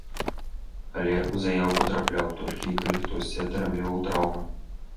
Але ў заяўку трапляў, толькі калі хтосьці атрымліваў траўмы.